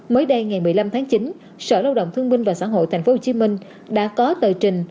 mới đây ngày một mươi năm tháng chín sở lao động thương minh và xã hội tp hcm đã có tờ trình